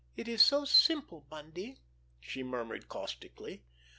"It is so simple, Bundy," she murmured caustically.